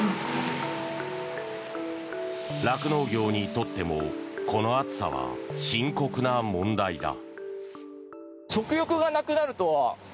酪農業にとってもこの暑さは深刻な問題だ。